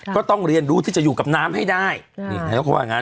ก็ต้องเรียนรู้ที่จะอยู่กับน้ำให้ได้นี่เขาก็ว่างั้น